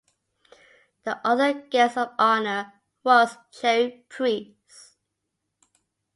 The Author Guest of Honor was Cherie Priest.